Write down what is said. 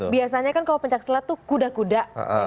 biasanya kan kalau pencak selat itu kuda kuda